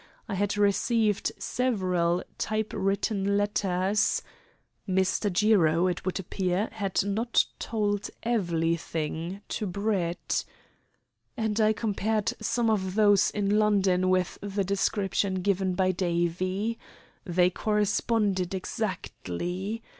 I had received several type written letters" (Mr. Jiro, it would appear, had not told "evelything" to Brett), "and I compared some of those in London with the description given by Davie. They corresponded exactly!